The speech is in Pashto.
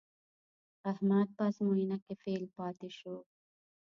احمد په ازموینه کې فېل پاتې شو.